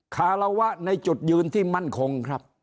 คาราวะในจุดยืนที่มั่นคงครับ